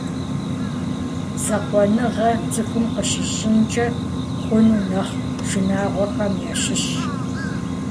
Закъуэныгъэр — цӏыхум къыщыщӏынкӏэ хъуну нэхъ шынагъуэхэм ящыщщ.